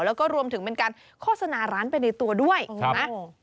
แล้วก็รวมถึงเป็นการโฆษณาร้านไปในตัวด้วยเห็นไหม